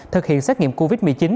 thực hiện xét nghiệm covid một mươi chín